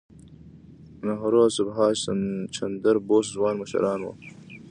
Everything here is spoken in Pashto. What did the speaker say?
نهرو او سبهاش چندر بوس ځوان مشران وو.